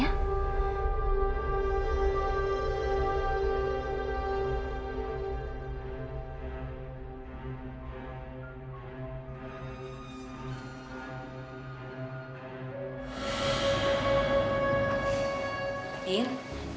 ya udah mama ke dalem ya